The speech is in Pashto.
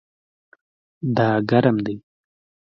دا ګرم دی